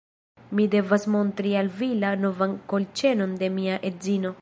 Mi devas montri al vi la novan kolĉenon de mia edzino